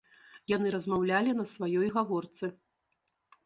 Яны размаўлялі на сваёй гаворцы.